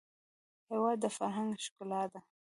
هېواد د فرهنګ ښکلا ده.